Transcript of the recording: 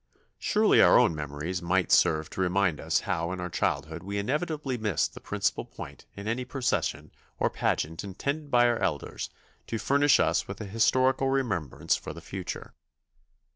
Surely our own memories might serve to remind us how in our childhood we inevitably missed the principal point in any procession or pageant intended by our elders to furnish us with a historical remembrance for the future.